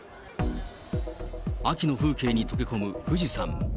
秋の風景に溶け込む富士山。